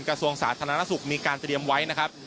กระทรวงสาธารณสุขมีการเตรียมไว้นะครับ